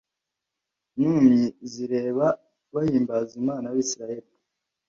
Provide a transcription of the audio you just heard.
n impumyi zireba bahimbaza Imana y Abisirayeli